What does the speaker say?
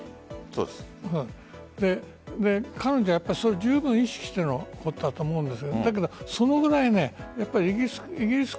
彼女は十分意識していることだと思うんです。